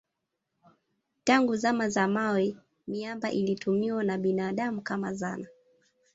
Tangu zama za mawe miamba ilitumiwa na binadamu kama zana.